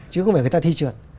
chứ không phải người ta thi trượt